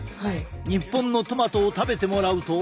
日本のトマトを食べてもらうと。